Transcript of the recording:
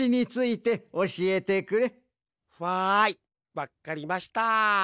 わっかりました！